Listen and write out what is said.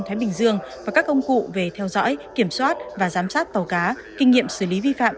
thái bình dương và các công cụ về theo dõi kiểm soát và giám sát tàu cá kinh nghiệm xử lý vi phạm